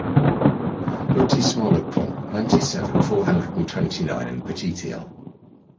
Lotissement le Pont, ninety-seven, four hundred and twenty-nine in Petite-Île.